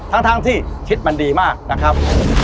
ทั้งที่คิดมันดีมากนะครับ